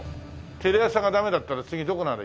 テレ朝がダメだったら次どこならいい？